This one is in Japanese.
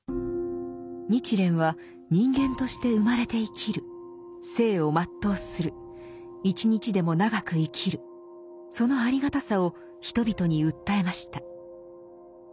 日蓮は人間として生まれて生きる生を全うする一日でも長く生きるそのありがたさを人々に訴えました。